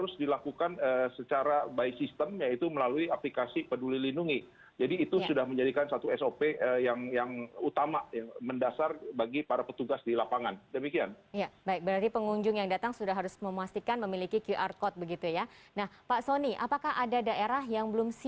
secara fisik mulai berkurang